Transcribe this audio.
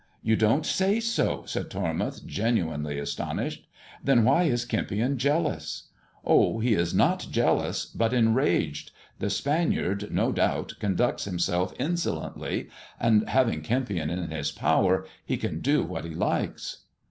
" You don't say so," said Tormouth, genuinely astonished. " Then why is Kempion jealous 1 "'\" Oh, he is not jealous, but enraged. The Spaniard, no doubt, conducts himself insolently, and, having Kempion in his power, he can do what he likes."